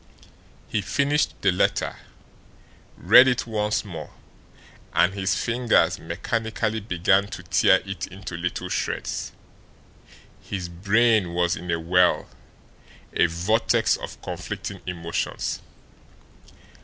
He finished the letter, read it once more and his fingers mechanically began to tear it into little shreds. His brain was in a whirl, a vortex of conflicting emotions.